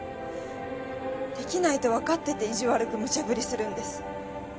出来ないとわかっていて意地悪くむちゃぶりするんです。